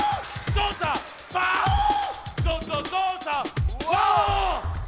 ゾウさんパオン！」